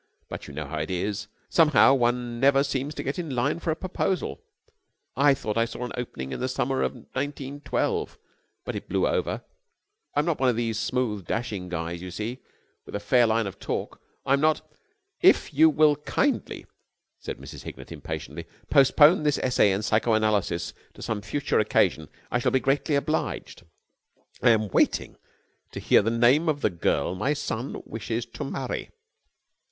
But you know how it is somehow one never seems to get in line for a proposal. I thought I saw an opening in the summer of nineteen twelve, but it blew over. I'm not one of these smooth, dashing guys, you see, with a great line of talk. I'm not...." "If you will kindly," said Mrs. Hignett impatiently, "postpone this essay in psycho analysis to some future occasion I shall be greatly obliged. I am waiting to hear the name of the girl my son wishes to marry."